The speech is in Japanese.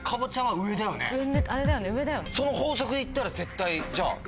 その法則でいったら絶対じゃあ。